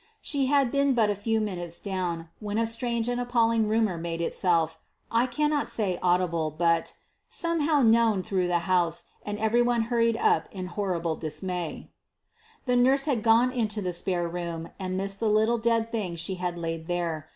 She had been but a few minutes down, when a strange and appalling rumour made itself I cannot say audible, but somehow known through the house, and every one hurried up in horrible dismay. The nurse had gone into the spare room, and missed the little dead thing she had laid there.